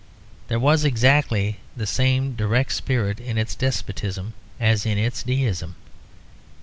There was exactly the same direct spirit in its despotism as in its deism.